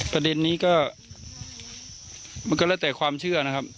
ประเด็นนี้ก็มันก็แล้วแต่ความเชื่อนะครับ